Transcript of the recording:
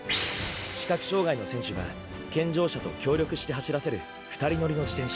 視覚障がいの選手が健常者と協力して走らせる二人乗りの自転車。